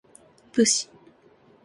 武士